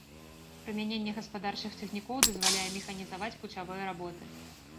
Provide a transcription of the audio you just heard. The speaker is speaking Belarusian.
Прымяненне гаспадарчых цягнікоў дазваляе механізаваць пуцявыя работы.